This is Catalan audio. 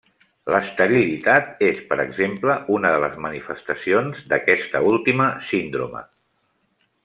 L'esterilitat és, per exemple, una de les manifestacions d'aquesta última síndrome.